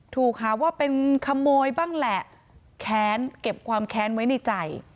ถูกหาว่าเป็นขโมยบ้างแหละแค้นเก็บความแค้นไว้ในใจ